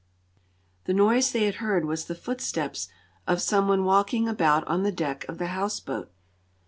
The noise they had heard was the footsteps of some one walking about on the deck of the houseboat.